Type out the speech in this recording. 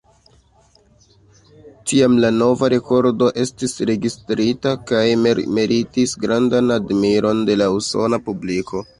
Tiam la nova rekordo estis registrita kaj meritis grandan admiron de la usona publiko.